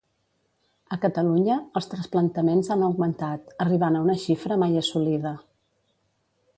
A Catalunya, els trasplantaments han augmentat, arribant a una xifra mai assolida.